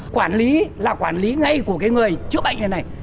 quản lý là quản lý ngay của cái người chữa bệnh này này